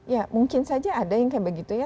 ya mungkin saja ada yang kayak begitu ya